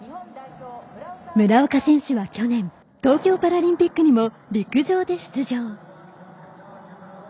村岡選手は去年東京パラリンピックにも陸上で出場。